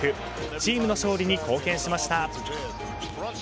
チームの勝利に貢献しました。